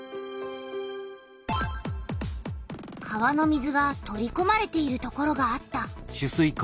川の水が取りこまれているところがあった。